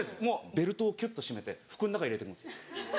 ベルトをきゅっと締めて服の中に入れてくんです。